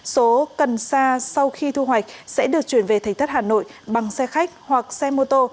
số cần xa sau khi thu hoạch sẽ được chuyển về thành thất hà nội bằng xe khách hoặc xe mô tô